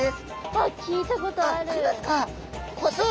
あ聞いたことある。